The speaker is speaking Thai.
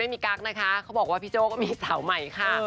กั๊กนะคะเขาบอกว่าพี่โจ้ก็มีสาวใหม่ค่ะ